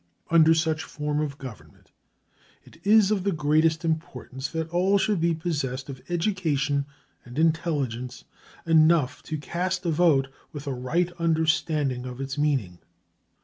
Under such a form of government it is of the greatest importance that all should be possessed of education and intelligence enough to cast a vote with a right understanding of its meaning.